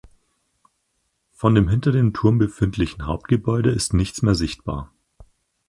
Von dem hinter dem Turm befindlichen Hauptgebäude ist nichts mehr sichtbar.